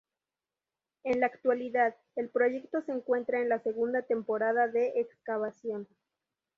En la actualidad, el proyecto se encuentra en la Segunda Temporada de excavación.